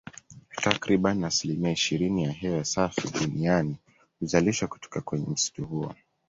Takribani asilimia ishirini ya hewa safi duniani huzalishwa kutoka kwenye msitu huo